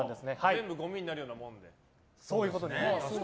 全部、ごみになるようなもので。